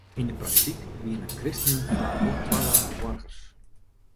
Yn de praktyk wienen kristenen faak wol twadderangs boargers.